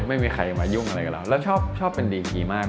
ไม่มีใครมายุ่งอะไรกับเราแล้วชอบเป็นดีพีมาก